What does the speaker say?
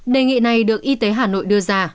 đề nghị này được y tế hà nội đưa ra